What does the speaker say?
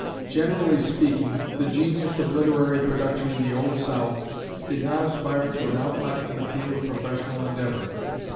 Generally speaking, the genius of literary production in the Old South did not aspire to an outlet in the field of professional endeavor.